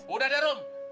udah deh rom